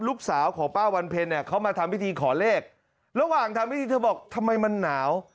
ลูกสาวของป้าวัณเพลเขามาทำวิธีขอเลขระหว่างทำวิธีเราก็จะบอกทำไมมันหนาว